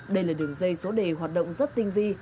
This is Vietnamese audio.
đây là đường dây số đề hoạt động rất tinh vi